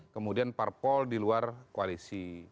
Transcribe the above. kemudian parpol di luar koalisi